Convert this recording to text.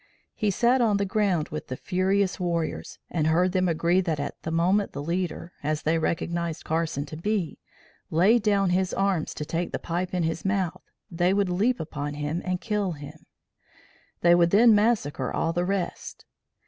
He sat on the ground with the furious warriors, and heard them agree that at the moment the leader (as they recognized Carson to be), laid down his arms to take the pipe in his mouth, they would leap upon and kill him. They would then massacre all the rest.